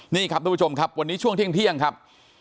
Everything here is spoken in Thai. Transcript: นี่ครับทุกผู้ชมครับวันนี้ช่วงเที่ยงครับ